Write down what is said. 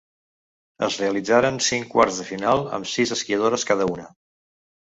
Es realitzaren cinc quarts de final amb sis esquiadores cada una.